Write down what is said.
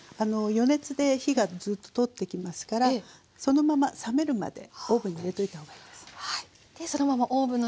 予熱で火がずっと通ってきますからそのまま冷めるまでオーブンに入れておいた方がいいです。